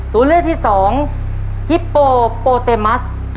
ตัวเลือกที่สองฮิปโปโปเตมัส